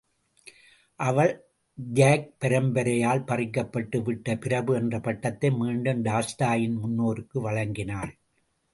அவள், ஜாக் பரம்பரையால் பறிக்கப்பட்டு விட்ட பிரபு என்ற பட்டத்தை மீண்டும் டால்ஸ்டாயின் முன்னோருக்கு வழங்கினாள்.